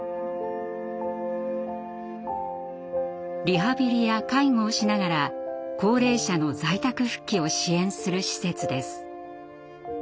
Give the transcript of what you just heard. リハビリや介護をしながら高齢者の在宅復帰を支援する施設です。